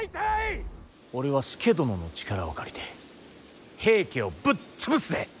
俺は佐殿の力を借りて平家をぶっ潰すぜ。